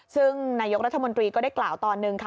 ซึ่งนายกรัฐมนตรีก็ได้กล่าวตอนหนึ่งค่ะ